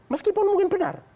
meskipun mungkin benar